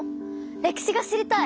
歴史が知りたい！